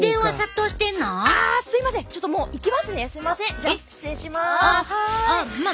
じゃあ失礼します。